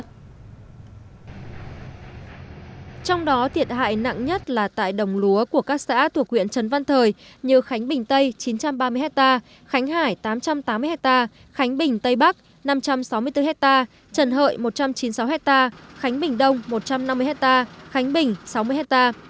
trong đó thiệt hại nặng nhất là tại đồng lúa của các xã thuộc huyện trần văn thời như khánh bình tây chín trăm ba mươi hectare khánh hải tám trăm tám mươi hectare khánh bình tây bắc năm trăm sáu mươi bốn hectare trần hợi một trăm chín mươi sáu hectare khánh bình đông một trăm năm mươi hectare khánh bình sáu mươi ha